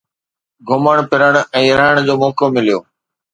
گهمڻ ڦرڻ ۽ رهڻ جو موقعو مليو